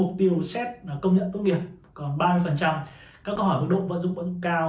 công nhận tốt nghiệp còn ba mươi các câu hỏi mức độ vận dụng vẫn cao